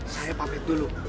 saya papet dulu